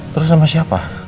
terus sama siapa